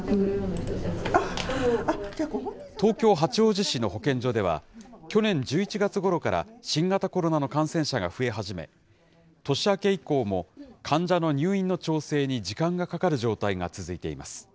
東京・八王子市の保健所では、去年１１月ごろから新型コロナの感染者が増え始め、年明け以降も、患者の入院の調整に時間がかかる状態が続いています。